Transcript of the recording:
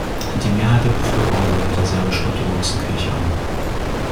Die Mehrheit der Bevölkerung gehört der Serbisch-orthodoxen Kirche an.